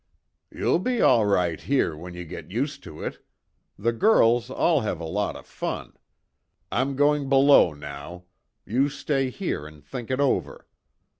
"You'll be all right here when you git used to it. The girls all have a lot of fun. I'm goin' below now. You stay here an' think it over.